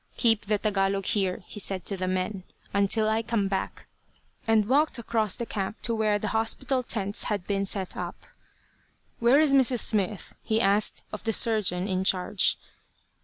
"Keep the Tagalog here," he said to the men, "until I come back;" and walked across the camp to where the hospital tents had been set up. "Where is Mrs. Smith?" he asked of the surgeon in charge.